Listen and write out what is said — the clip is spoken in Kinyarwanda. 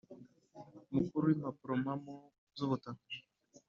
Mukuru w impapurompamo z ubutaka